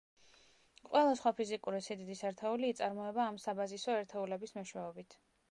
ყველა სხვა ფიზიკური სიდიდის ერთეული იწარმოება ამ საბაზისო ერთეულების მეშვეობით.